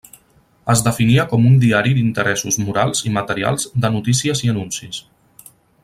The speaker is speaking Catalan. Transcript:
Es definia com un diari d'interessos morals i materials de notícies i anuncis.